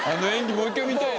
もう一回見たいな。